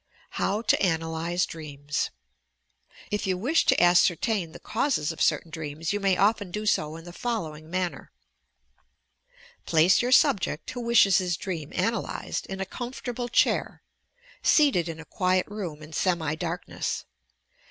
HOW TO ANALYSE DREAMS If yon wish to ascertain the causes of certain dreams, you may ofteo do so in the following manner: Place your subject, who wishes his dream analysed, in a comfortable chair, seated in a quiet room in serai darkness.